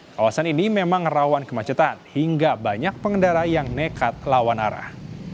kawasan ini memang rawan kemacetan hingga banyak pengendara yang nekat lawan arah